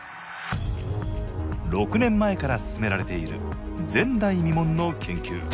６年前から進められている前代未聞の研究。